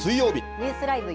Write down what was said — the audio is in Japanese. ニュースＬＩＶＥ！